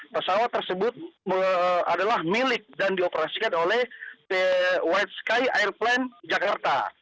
pesawat tersebut adalah milik dan dioperasikan oleh white sky airpline jakarta